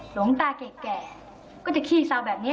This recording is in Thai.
หลวงตาแก่ก็จะขี้เศร้าแบบนี้